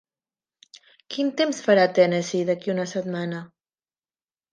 Quin temps farà a Tennessee d'aquí una setmana?